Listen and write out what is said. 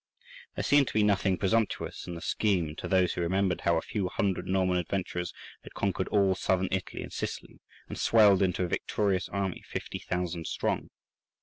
There seemed to be nothing presumptuous in the scheme to those who remembered how a few hundred Norman adventurers had conquered all Southern Italy and Sicily, and swelled into a victorious army fifty thousand strong.